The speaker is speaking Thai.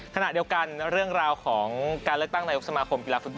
ขณะเดียวกันเรื่องราวของการเลือกตั้งนายกสมาคมกีฬาฟุต